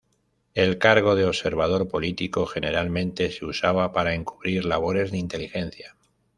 El cargo de observador político generalmente se usaba para encubrir labores de inteligencia.